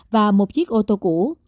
và một chiếc ô tô cũ